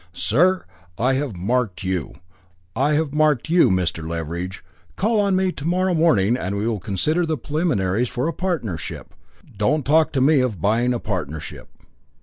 Sir! I have marked you I have marked you, Mr. Leveridge. Call on me to morrow morning, and we will consider the preliminaries for a partnership. Don't talk to me of buying a partnership."